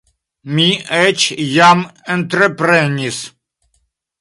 Mi eĉ jam entreprenis.